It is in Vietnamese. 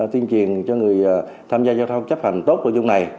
tiên triền cho người tham gia giao thông chấp hành tốt ở vùng này